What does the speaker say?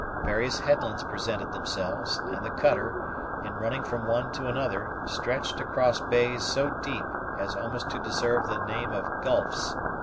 Various headlands presented themselves, and the cutter, in running from one to another, stretched across bays so deep as almost to deserve the name of gulfs.